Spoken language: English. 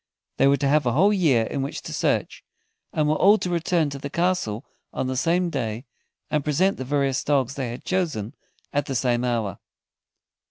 They were to have a whole year in which to search, and were all to return to the castle on the same day, and present the various dogs they had chosen at the same hour.